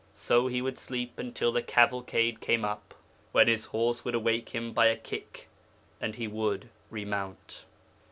So he would sleep until the cavalcade came up, when his horse would awake him by a kick, and he would remount.'